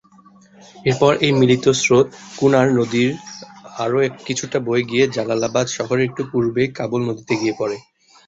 এরপর এই মিলিত স্রোত "কুনার" নদী নামে আরও কিছুটা বয়ে গিয়ে জালালাবাদ শহরের একটু পূর্বে কাবুল নদীতে গিয়ে পড়ে।